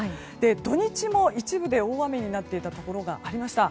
土日も一部で大雨になっていたところがありました。